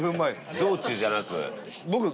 道中じゃなく。